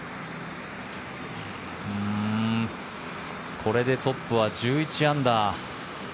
これでトップは１１アンダー。